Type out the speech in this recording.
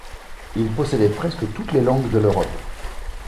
Il possédait presque toutes les langues de l'Europe.